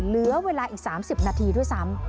เหลือเวลาอีก๓๐นาทีด้วยซ้ำ